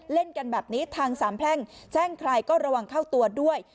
เล่นกันแบบนี้ทางสามแพร่งแจ้งใครก็ระวังเข้าตัวด้วย